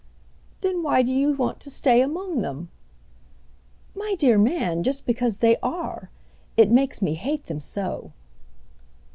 "Then why do you want to stay among them?" "My dear man, just because they are. It makes me hate them so."